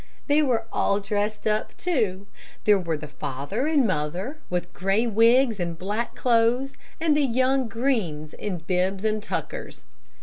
They were all dressed up, too. There were the father and mother, with gray wigs and black clothes, and the young Greens in bibs and tuckers.